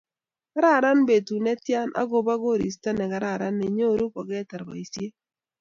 Kararan betut netya, agoba koristo negararan nenyoru kogetar boisiet